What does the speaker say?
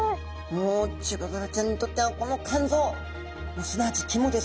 もうチゴダラちゃんにとってはこの肝臓すなわち肝ですので生きる肝！ですね。